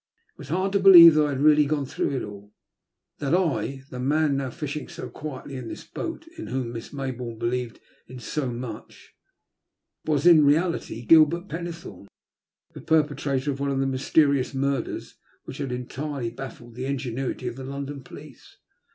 It was hard to believe that I had really gone through it all ; that I, the man now fishing so quietly in this boat, in whom Miss Mayboume believed so much, was in reality Gilbert Pennethome, the perpetrator of one of the mysterious murders which had entirely baffled the ingenuity of the London police.